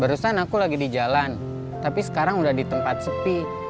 barusan aku lagi di jalan tapi sekarang udah di tempat sepi